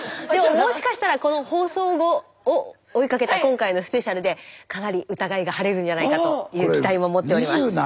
でももしかしたらこの放送後を追いかけた今回のスペシャルでかなり疑いが晴れるんじゃないかという期待も持っております。